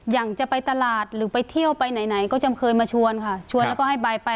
อย่างจะไปตลาดหรือไปเที่ยวไปไหนก็จะเคยมาชวนค่ะชวนแล้วก็ให้ใบไป